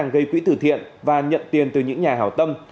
đang gây quỹ tử thiện và nhận tiền từ những nhà hào tâm